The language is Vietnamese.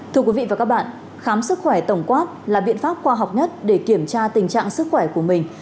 thưa quý vị và các bạn khám sức khỏe tổng quát là biện pháp khoa học nhất để kiểm tra tình trạng sức khỏe của mình